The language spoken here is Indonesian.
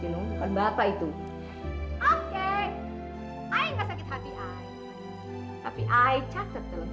saya menawarkan sesuatu yang sangat besar